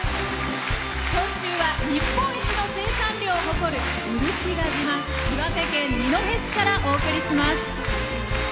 今週は日本一の生産量を誇る漆が自慢、岩手県二戸市からお送りします。